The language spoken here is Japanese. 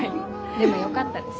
でもよかったです